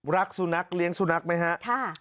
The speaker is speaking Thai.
รักสุนัขเลี้ยงสุนัขไหมครับ